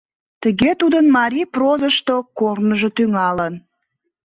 Тыге тудын марий прозышто корныжо тӱҥалын.